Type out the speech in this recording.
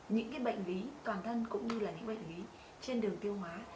những bệnh ví toàn thân cũng như là những bệnh ví trên đường tiêu hóa